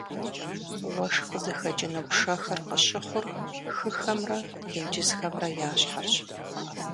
Уэшх къызыхэкӏыну пшэхэр къыщыхъур хыхэмрэ тенджызхэмрэ я щхьэрщ.